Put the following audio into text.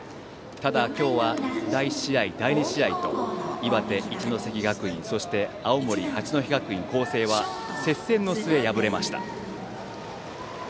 ただ今日は第１試合、第２試合と岩手・一関学院青森・八戸学院光星は接戦の末、敗れました。